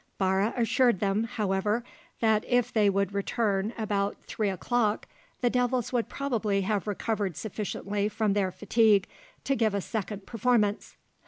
Barre assured them, however, that if they would return about three o'clock the devils would probably have recovered sufficiently from their fatigue to give a second performance.